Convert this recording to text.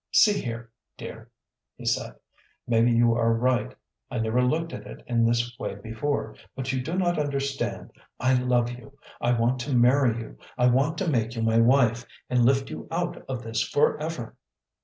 "See here, dear," he said, "maybe you are right. I never looked at it in this way before, but you do not understand. I love you; I want to marry you. I want to make you my wife, and lift you out of this forever."